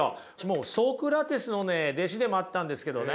ソクラテスのね弟子でもあったんですけどね。